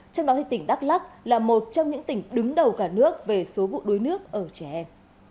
trong đó thì tỉnh đắk lắc là một trong những tỉnh đứng đầu cả nước về số vụ đuối nước ở trẻ em